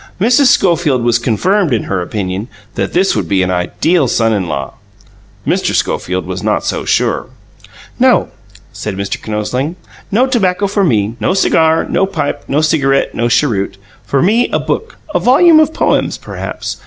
Mrs. Schofield was confirmed in her opinion that this would be an ideal son in law. Mr. Schofield was not so sure. "No," said Mr. Kinosling. "No tobacco for me. No cigar, no pipe, no cigarette, no cheroot. For me, a book a volume of poems, perhaps.